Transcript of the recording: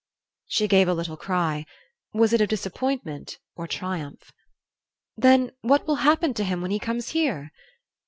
She gave a little cry. Was it of disappointment or triumph? "Then then what will happen to him when he comes here?"